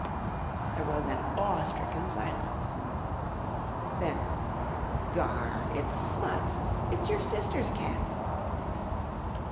There was an awe stricken silence. Then: "Garn! It's Smuts. It's your sister's cat!"